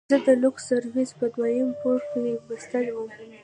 زه د لوکس سرويس په دويم پوړ کښې بستر وم.